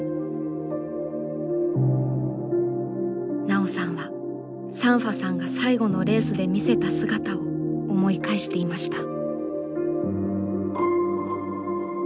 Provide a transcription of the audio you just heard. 奈緒さんはサンファさんが最後のレースで見せた姿を思い返していました。